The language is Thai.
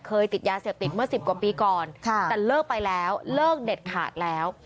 ติดยาเสพติดเมื่อ๑๐กว่าปีก่อนแต่เลิกไปแล้วเลิกเด็ดขาดแล้ว